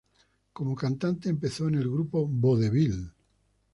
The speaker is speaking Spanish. Como cantante, empezó en el grupo Vodevil.